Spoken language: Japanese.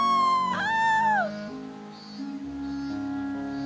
ああ。